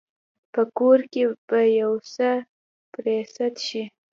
په کور کې به يو څه پرې سد شي.